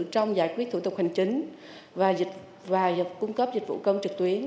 trong giải quyết thủ tục hành chính và cung cấp dịch vụ công trực tuyến